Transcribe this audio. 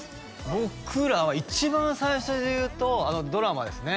僕らは一番最初でいうとあのドラマですね